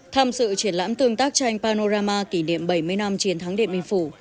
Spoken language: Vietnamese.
tham dự triển lãm tương tác tranh panorama kỷ niệm bảy mươi năm chiến thắng điện biên phủ